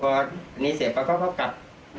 เพราะอันนี้เสียไปก็กลับ